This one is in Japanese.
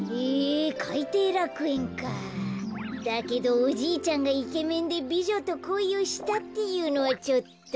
だけどおじいちゃんがイケメンでびじょとこいをしたっていうのはちょっと。